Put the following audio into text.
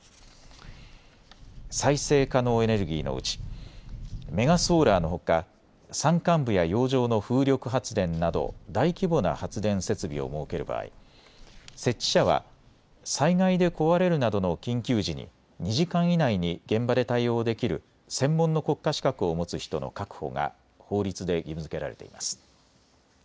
再生可能エネルギーのうちメガソーラーのほか山間部や洋上の風力発電など大規模な発電設備を設ける場合、設置者は災害で壊れるなどの緊急時に２時間以内に現場で対応できる専門の国家資格を持つ人の確保が法律で義務づけられています。